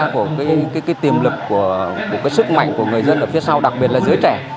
của cái tiềm lực của cái sức mạnh của người dân ở phía sau đặc biệt là giới trẻ